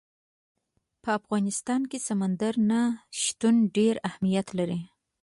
په افغانستان کې سمندر نه شتون ډېر اهمیت لري.